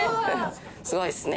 「すごいですね」